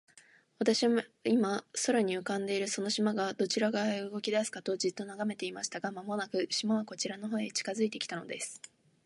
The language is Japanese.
私は、今、空に浮んでいるその島が、どちら側へ動きだすかと、じっと眺めていました。が、間もなく、島はこちらの方へ近づいて来たのです。